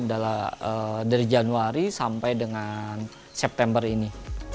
iya dalam satu tahun dari januari sampai dengan september ini